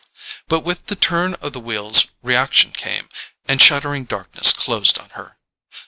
But with the turn of the wheels reaction came, and shuddering darkness closed on her.